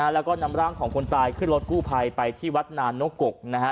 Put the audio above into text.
แล้วก็นำร่างของคนตายขึ้นรถกู้ภัยไปที่วัดนานนกกนะฮะ